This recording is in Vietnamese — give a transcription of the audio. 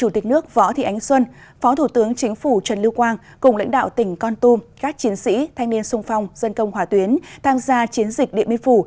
tỉnh con tum các chiến sĩ thanh niên sung phong dân công hòa tuyến tham gia chiến dịch điện biên phủ